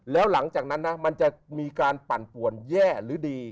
แล้วหลังจากนั้นนะมันจะมีการปั่นป่วนแย่หรือดี